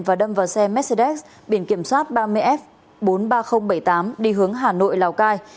và đâm vào xe mercedes biển kiểm soát ba mươi f bốn mươi ba nghìn bảy mươi tám đi hướng hà nội lào cai